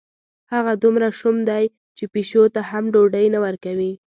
هغه دومره شوم دی، چې پیشو ته هم ډوډۍ نه ورکوي.